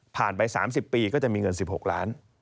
ไป๓๐ปีก็จะมีเงิน๑๖ล้าน